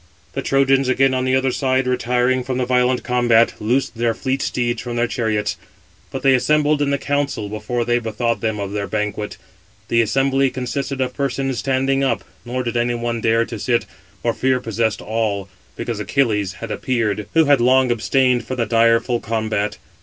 The Trojans again, on the other side, retiring from the violent combat, loosed their fleet steeds from their chariots. But they assembled in the council before they bethought them of their banquet. The assembly consisted of persons standing up, nor did any one dare to sit; for fear possessed all, because Achilles had appeared, who had long abstained from the direful combat.